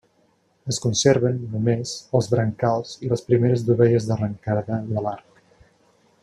Es conserven, només, els brancals i les primeres dovelles d'arrencada de l'arc.